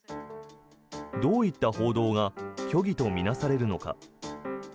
どういった報道が虚偽と見なされるのか。